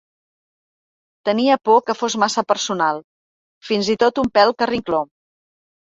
Tenia por que fos massa personal, fins i tot un pèl carrincló.